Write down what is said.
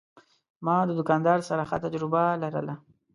ما د دوکاندار سره ښه تجربه لرله.